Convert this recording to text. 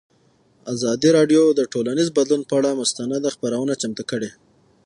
ازادي راډیو د ټولنیز بدلون پر اړه مستند خپرونه چمتو کړې.